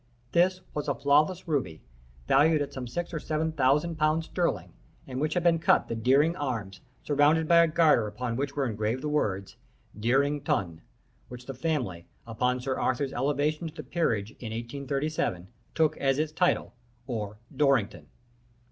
This was a flawless ruby, valued at some six or seven thousand pounds sterling, in which had been cut the Deering arms surrounded by a garter upon which were engraved the words, 'Deering Ton,' which the family, upon Sir Arthur's elevation to the peerage in 1836, took as its title, or Dorrington.